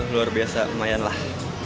luar biasa lumayan lah